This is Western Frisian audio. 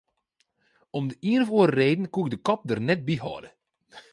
Om de ien of oare reden koe ik de kop der net by hâlde.